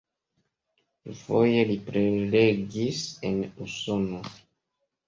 Dufoje li prelegis en Usono.